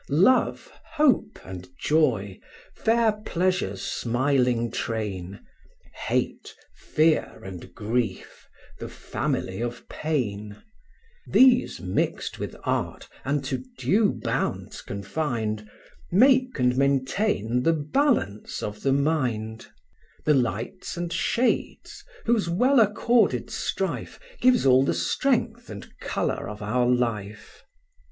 Love, hope, and joy, fair pleasure's smiling train, Hate, fear, and grief, the family of pain, These mixed with art, and to due bounds confined, Make and maintain the balance of the mind; The lights and shades, whose well accorded strife Gives all the strength and colour of our life.